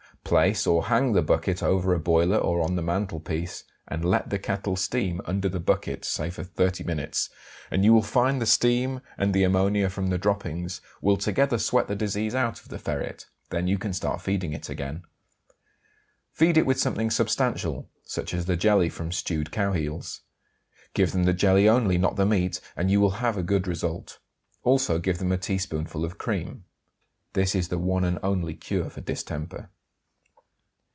Place or hang the bucket over a boiler or on the mantelpiece, and let the kettle steam under the bucket, say for 30 minutes, and you will find the steam and the ammonia from the droppings will together sweat the disease out of the ferret; then you can start feeding it again. Feed it with something substantial, such as the jelly from stewed cowheels; give them the jelly only, not the meat; and you will have a good result. Also give them a teaspoonful of cream. This is the one and only cure for distemper.